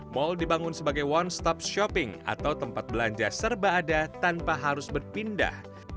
mal dibangun sebagai one stop shopping atau tempat belanja serba ada tanpa harus berpindah